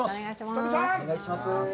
お願いします。